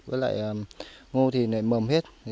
với lại ngô thì mầm hết